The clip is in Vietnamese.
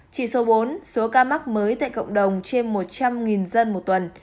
chỉ số bốn số ca mắc mới tại cộng đồng trên một trăm linh dân một tuần